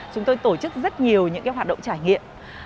chúng tôi tổ chức rất nhiều những hoạt động trải nghiệm